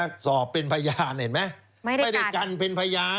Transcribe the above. กันเป็นพยาน